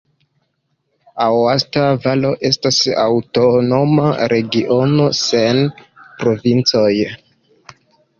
Aosta Valo estas aŭtonoma regiono sen provincoj.